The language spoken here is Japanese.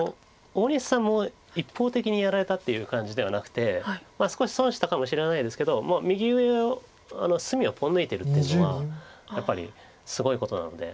大西さんも一方的にやられたっていう感じではなくて少し損したかもしれないですけど右上を隅をポン抜いてるっていうのはやっぱりすごいことなので。